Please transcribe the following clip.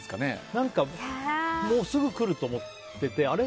もう、すぐ来ると思ってあれ？